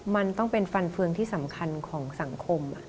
มันต้องเป็นฟันเฟืองที่สำคัญของสังคม